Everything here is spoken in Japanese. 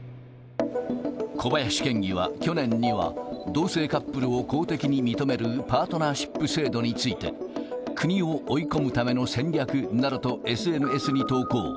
小林県議は去年には、同性カップルを公的に認めるパートナーシップ制度について、国を追い込むための戦略などとＳＮＳに投稿。